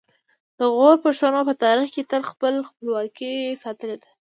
د غور پښتنو په تاریخ کې تل خپله خپلواکي ساتلې ده